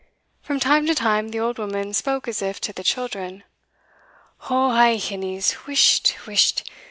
From time to time the old woman spoke as if to the children "Oh ay, hinnies, whisht! whisht!